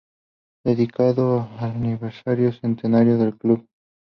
Dedicado al aniversario centenario del club.